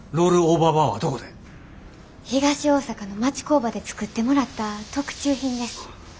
東大阪の町工場で作ってもらった特注品です。